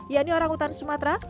yang ini orang hutan sumatera